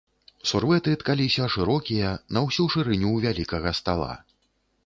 Сурвэты ткаліся шырокія, на ўсю шырыню вялікага стала.